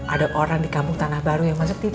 ada orang di kampung tanah baru yang masuk itu